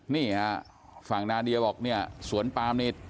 นี่ฝั่งนาดีเขาบอกว่าสวนปามนี้